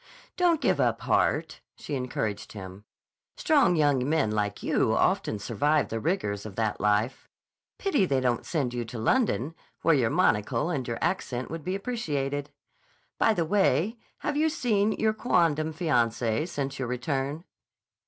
"Don't give up heart," she encouraged him. "Strong young men like you often survive the rigors of that life. Pity they don't send you to London, where your monocle and your accent would be appreciated. By the way, have you seen your quondam fiancée since your return?"